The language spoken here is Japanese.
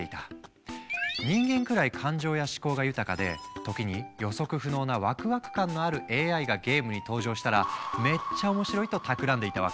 人間くらい感情や思考が豊かで時に予測不能なワクワク感のあるＡＩがゲームに登場したらめっちゃ面白いとたくらんでいたわけ。